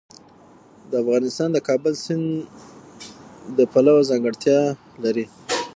افغانستان د د کابل سیند د پلوه ځانته ځانګړتیا لري.